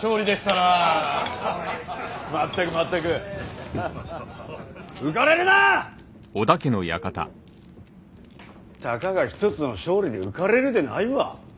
たかが一つの勝利で浮かれるでないわ。